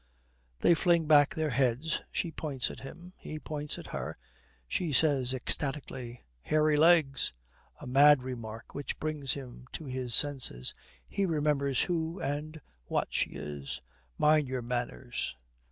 They fling back their heads, she points at him, he points at her. She says ecstatically: 'Hairy legs!' A mad remark, which brings him to his senses; he remembers who and what she is. 'Mind your manners!'